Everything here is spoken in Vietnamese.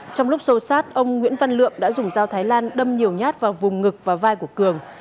trong lúc sâu sát ông nguyễn văn lượng đã dùng dao thái lan đâm nhiều nhát vào vùng ngực và vai của cường